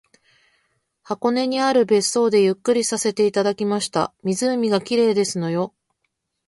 箱根にある別荘でゆっくりさせていただきました。湖が綺麗ですのよ